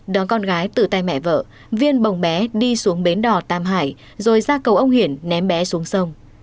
đón con gái từ tay mẹ vợ viên bồng bé đi xuống bến đỏ tam hải rồi ra cầu ông hiển ném bé xuống sông